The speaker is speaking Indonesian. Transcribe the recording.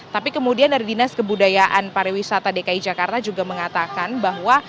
tapi kemudian dari dinas kebudayaan pariwisata dki jakarta juga mengatakan bahwa